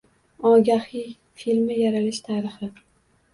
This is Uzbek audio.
«Ogahiy» filmi yaralish tarixi